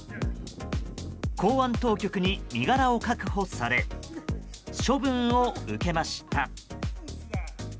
公安当局に身柄を確保され処分を受けました。